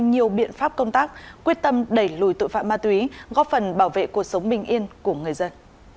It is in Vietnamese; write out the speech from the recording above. nhiều biện pháp công tác quyết tâm đẩy lùi tội phạm ma túy góp phần bảo vệ cuộc sống bình yên của người dân